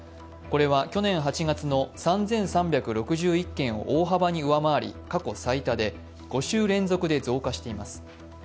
これは去年８月の３３６１件を大幅に上回り過去最多で、５週連続で増加しています。